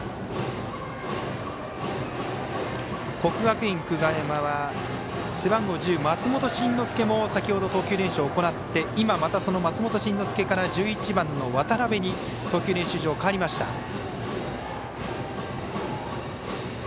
国学院久我山は背番号１０松本慎之介も先ほど投球練習を行って今、また松本慎之介から１１番の渡邊に投球練習場変わりました。